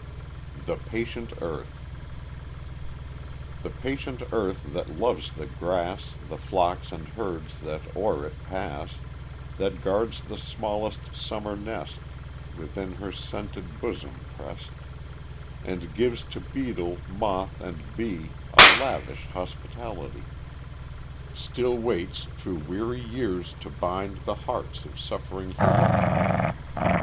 The Patient Earth I The patient earth that loves the grass, The flocks and herds that o'er it pass, That guards the smallest summer nest Within her scented bosom pressed, And gives to beetle, moth, and bee A lavish hospitality, Still waits through weary years to bind The hearts of suffering human kind.